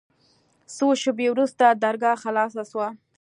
څو شېبې وروسته درګاه خلاصه سوه.